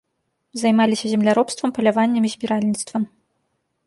Займаліся земляробствам, паляваннем і збіральніцтвам.